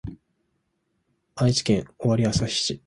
愛知県尾張旭市